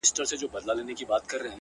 o کاينات راڅه هېريږي ورځ تېرېږي؛